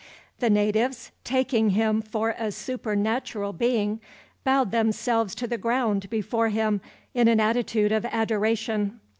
The natives, taking him for a supernatural being, bowed themselves to the ground before him in an attitude of adoration.